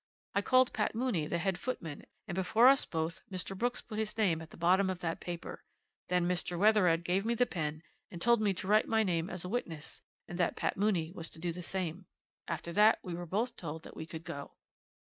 I called Pat Mooney, the head footman, and before us both Mr. Brooks put his name at the bottom of that paper. Then Mr. Wethered give me the pen and told me to write my name as a witness, and that Pat Mooney was to do the same. After that we were both told that we could go.'